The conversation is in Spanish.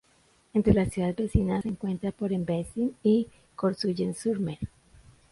Entre las ciudades vecinas se encuentran Port-en-Bessin y Courseulles-sur-Mer.